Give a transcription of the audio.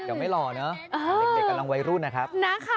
เดี๋ยวไม่หล่อเนอะเด็กกำลังวัยรุ่นนะครับ